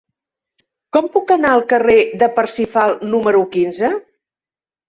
Com puc anar al carrer de Parsifal número quinze?